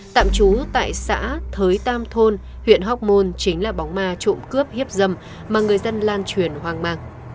tạm trú tại xã thới tam thôn huyện hóc môn chính là bóng ma trộm cướp hiếp dâm mà người dân lan truyền hoang mang